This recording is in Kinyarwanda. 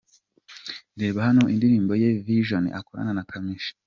Reba hano indirimbo ye ’Vision’ yakora na Kamichi:.